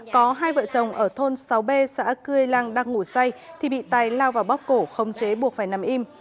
có hai vợ chồng ở thôn sáu b xã cươi lăng đang ngủ say thì bị tài lao vào bóc cổ không chế buộc phải nằm im